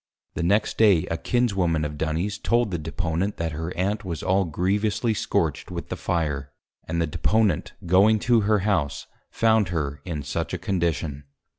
The next Day a Kinswoman of Duny's, told the Deponent, that her Aunt was all grievously scorch'd with the Fire, and the Deponent going to her House, found her in such a Condition.